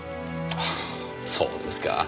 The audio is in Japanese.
ああそうですか。